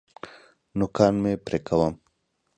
نوکان مي پرې کوم .